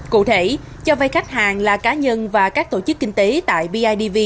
cụ thể cho vai khách hàng là cá nhân và các tổ chức kinh tế tại pidv